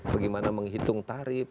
bagaimana menghitung tarif